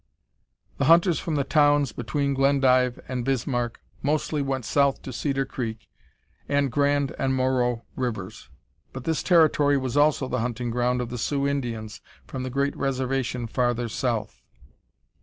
The hunters from the towns between Glendive and Bismarck mostly went south to Cedar Creek and the Grand and Moreau Rivers. But this territory was also the hunting ground of the Sioux Indians from the great reservation farther south.